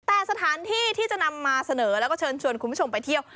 แต่สถานที่ที่จะนำมาเสนอแล้วก็เชิญชวนคุณผู้ชมไปเที่ยว